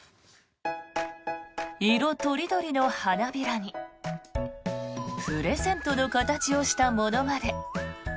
色とりどりの花びらにプレゼントの形をしたものまで。